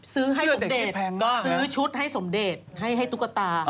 ซื้อให้สมเดชซื้อชุดให้สมเดชให้ตุ๊กตา